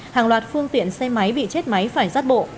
hàng loạt phương tiện xe máy bị chết máy phải rắt bộ